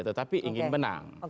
tetapi ingin menang